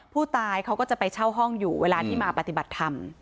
ผู้ตายเขาก็จะไปเช่าห้องอยู่เวลาที่มาปฏิบัติธรรม